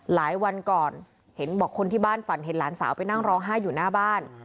หลายวันก่อนเห็นบอกคนที่บ้านฝันเห็นหลานสาวไปนั่งร้องไห้อยู่หน้าบ้าน